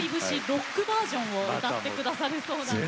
ロックバージョンを歌ってくださるそうなんです。